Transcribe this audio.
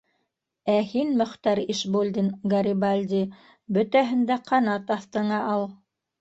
- Ә һин, Мөхтәр Ишбулдин-Гарибальди, бөтәһен дә ҡанат аҫтыңа ал.